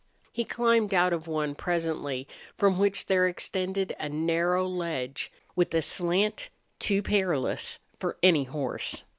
He climbed out of one, presently, from which there extended a narrow ledge with a slant too perilous for any horse.